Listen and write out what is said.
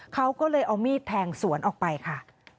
เขาก็เลยเอามีดแทงสวนออกไปค่ะ